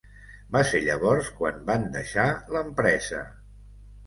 Va ser llavors quan van deixar l'empresa.